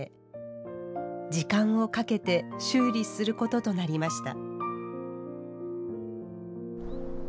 時間をかけて修理することとなりました。